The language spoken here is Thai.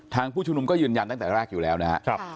ผู้ชุมนุมก็ยืนยันตั้งแต่แรกอยู่แล้วนะครับ